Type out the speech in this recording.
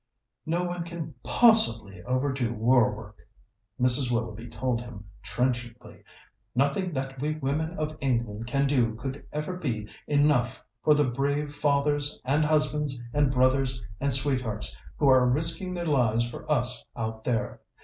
"No one can possibly overdo war work," Mrs. Willoughby told him trenchantly. "Nothing that we women of England can do could ever be enough for the brave fathers, and husbands, and brothers, and sweethearts, who are risking their lives for us out there.